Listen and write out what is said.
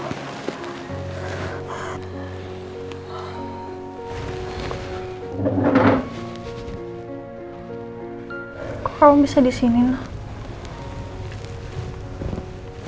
kok kamu bisa di sini noh